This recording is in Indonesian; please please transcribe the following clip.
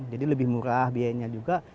jadi lebih murah biayanya juga